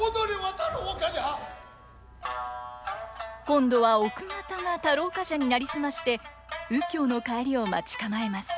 今度は奥方が太郎冠者に成り済まして右京の帰りを待ち構えます。